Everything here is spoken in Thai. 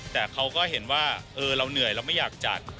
แต่เขาก็เห็นว่าเราเหนื่อยเราไม่อยากจัด